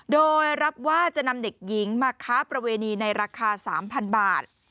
โดยรับว่าจะนำเด็กหญิงมาค้าประเวณีในราคา๓๐๐บาท